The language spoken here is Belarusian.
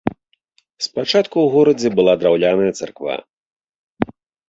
Спачатку ў горадзе была драўляная царква.